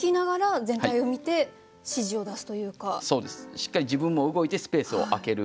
しっかり自分も動いてスペースを空ける。